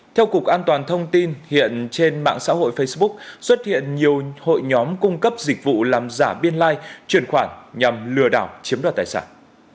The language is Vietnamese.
theo cục an toàn thông tin hiện trên mạng xã hội facebook xuất hiện nhiều hội nhóm cung cấp dịch vụ làm giả biên lai truyền khoản nhằm lừa đảo chiếm đoạt tài sản